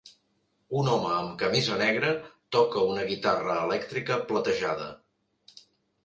Un home amb camisa negra toca una guitarra elèctrica platejada.